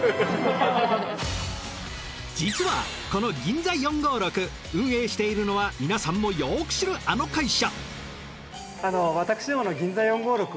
実はこのＧＩＮＺＡ４５６運営しているのは皆さんもよく知るあの会社。